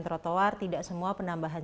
trotoar tidak semua penambahan